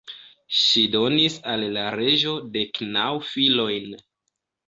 Ŝi donis al la reĝo dek naŭ filojn.